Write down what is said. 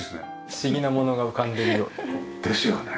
不思議なものが浮かんでるような。ですよね。